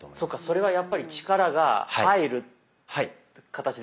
それはやっぱり力が入る形ですよね。